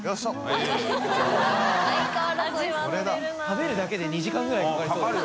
食べるだけで２時間ぐらいかかりそうだもん。